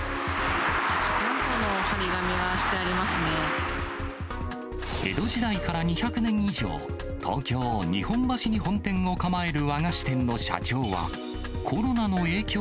貸店舗の貼り紙がしてありま江戸時代から２００年以上、東京・日本橋に本店を構える和菓子店の社長は、コロナの影響